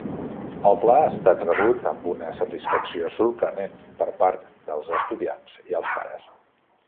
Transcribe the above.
El pla ha estat rebut amb una satisfacció sorprenent per part dels estudiants i els pares.